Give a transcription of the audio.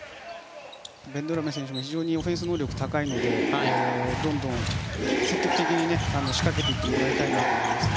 ベンドラメ選手も非常にオフェンス能力高いのでどんどん積極的に仕掛けてもらいたいですね。